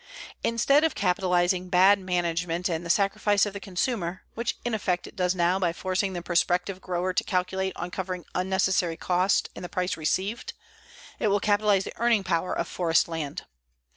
Instead of capitalizing bad management and the sacrifice of the consumer, which in effect it does now by forcing the prospective grower to calculate on covering unnecessary cost in the price received, it will capitalize the earning power of forest land.